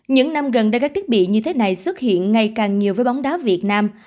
những năm gần đây các thiết bị như thế này xuất hiện ngày càng nhiều với bóng đá việt nam